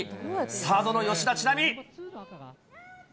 サードの吉田知那美。